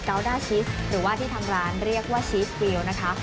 ด้าชีสหรือว่าที่ทางร้านเรียกว่าชีสวิวนะคะ